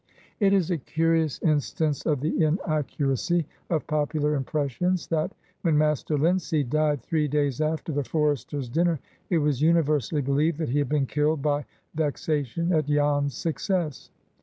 It is a curious instance of the inaccuracy of popular impressions that, when Master Linseed died three days after the Foresters' dinner, it was universally believed that he had been killed by vexation at Jan's success.